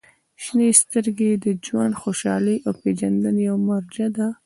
• شنې سترګې د ژوند خوشحالۍ او پېژندنې یوه مرجع ده.